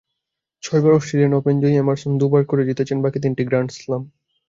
ছয়বার অস্ট্রেলিয়ান ওপেনজয়ী এমারসন দুবার করে জিতেছেন বাকি তিনটি গ্র্যান্ড স্লাম।